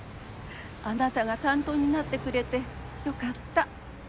あなたが担当になってくれてよかった。